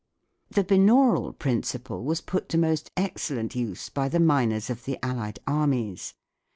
The binaural principle was put to most excellent use by the miners of the Allied armies.